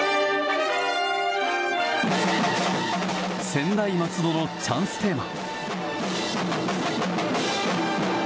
仙台松戸のチャンステーマ。